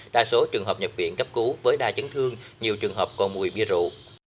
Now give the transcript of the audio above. đa số trường hợp nhập viện cấp cứu với đa chấn thương nhiều trường hợp còn mùi bia rượu